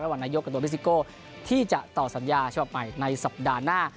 ระหว่างนายกกับตัวพิซิโก้ที่จะต่อสัญญาเฉพาะใหม่ในสัปดาห์หน้า